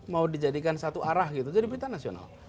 mau dijadikan satu arah gitu jadi pita nasional